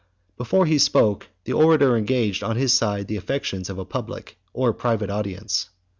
Before he spoke, the orator engaged on his side the affections of a public or private audience.